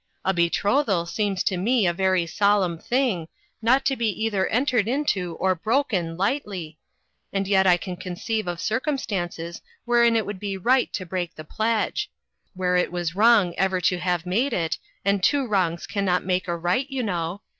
A betrothal seems to me a very solemn thing, not to be either entered into, or broken, lightly, and yet I can conceive ol circumstances wherein it would be right to break the pledge where it was wrong ever to have made it and two wrongs cannot make a right, you know.